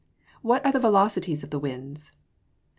_What are the velocities of winds?